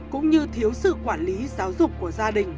cũng như thiếu sự quản lý giáo dục của gia đình